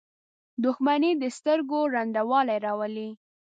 • دښمني د سترګو ړندوالی راولي.